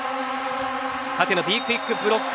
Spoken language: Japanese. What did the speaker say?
縦のＢクイックブロック